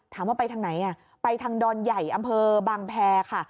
ถามว่าไปทางไหนไปทางดอนใหญ่อำเภอบางแพรค่ะ